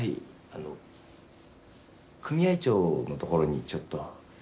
あの組合長の所にちょっと。